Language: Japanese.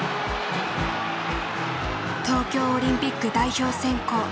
東京オリンピック代表選考。